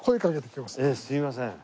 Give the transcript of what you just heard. すいません。